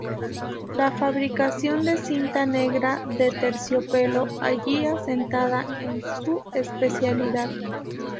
La fabricación de cinta negra de terciopelo allí asentada es su especialidad.